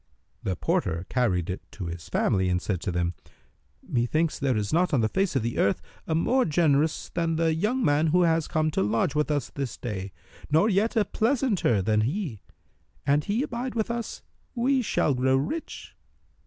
The porter carried it to his family and said to them, "Methinketh there is not on the face of the earth a more generous than the young man who has come to lodge with us this day, nor yet a pleasanter than he. An he abide with us, we shall grow rich."